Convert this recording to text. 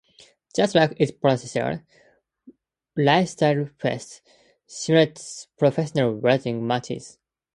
Just like its predecessor, "WrestleFest" simulates professional wrestling matches.